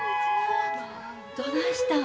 どないしたん？